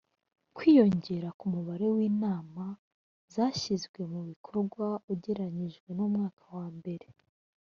kwiyongera k umubare w inama zashyizwe mu bikorwa ugereranije n umwaka wambere